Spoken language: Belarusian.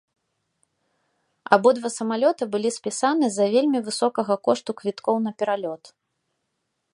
Абодва самалёта былі спісаны з-за вельмі высокага кошту квіткоў на пералёт.